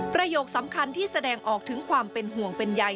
สำคัญที่แสดงออกถึงความเป็นห่วงเป็นใย